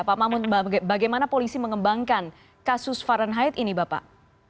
pak mahmud bagaimana polisi mengembangkan kasus fahrenheit ini bapak